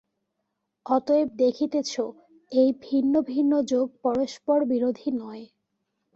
অতএব দেখিতেছ, এই ভিন্ন ভিন্ন যোগ পরস্পর-বিরোধী নয়।